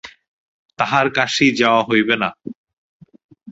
তাঁহার কাশী যাওয়া হইবে না।